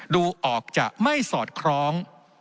ดูออกจะไม่สอดคล้อง